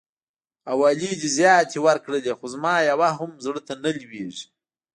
حوالې دي زياتې ورکړلې خو زما يوه هم زړه ته نه لويږي.